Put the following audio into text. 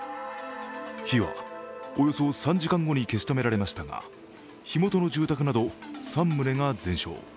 火はおよそ３時間後に消し止められましたが、火元の住宅など３棟が全焼。